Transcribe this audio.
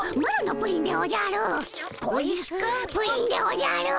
プリンでおじゃる！